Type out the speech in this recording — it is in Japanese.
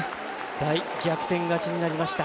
大逆転勝ちになりました。